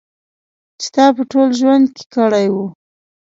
چې تا په ټول ژوند کې کړی و.